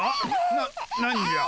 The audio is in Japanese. な何じゃ？